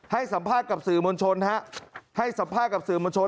ให้สัมภาษณ์กับสื่อมณชน